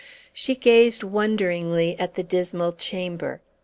She gazed wonderingly at the dismal chamber.